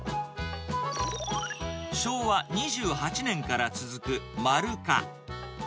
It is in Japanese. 昭和２８年から続く満留賀。